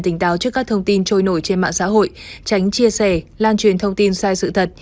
tỉnh táo trước các thông tin trôi nổi trên mạng xã hội tránh chia sẻ lan truyền thông tin sai sự thật